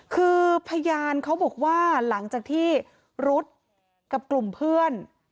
คือพยานเขาบอกว่าหลังจากที่รุ๊ดกับกลุ่มเพื่อน